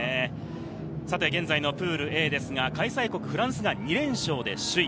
現在のプールＡですが、開催国フランスが２連勝で首位。